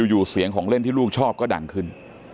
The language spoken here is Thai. อยู่เสียงของเล่นที่ลูกชอบก็ดังขึ้น